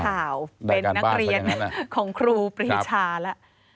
แผ่นของครูปรีชาละ